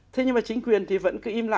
thế nhưng mà chính là